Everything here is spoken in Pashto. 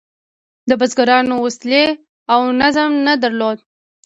بزګرانو وسلې او نظم نه درلود.